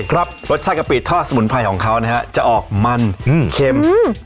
ครับรสชาติกะปิทอดสมุนไพรของเขานะฮะจะออกมันอืมเค็มอืม